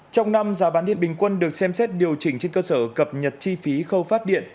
trong năm giá bán điện bình quân được xem xét điều chỉnh trên cơ sở cập nhật chi phí khâu phát điện